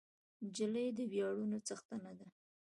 نجلۍ د ویاړونو څښتنه ده.